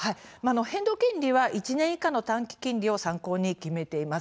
変動金利は１年以下の短期金利を参考に決めています。